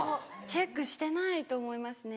チェックしてないと思いますね。